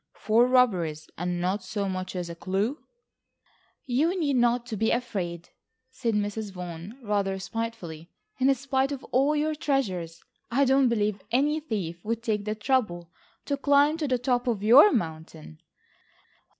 Four robberies and not so much as a clue." "You need not be afraid," said Mrs. Vaughan rather spitefully. "In spite of all your treasures, I don't believe any thief would take the trouble to climb to the top of your mountain."